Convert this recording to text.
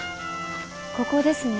ここですね。